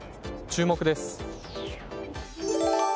注目です。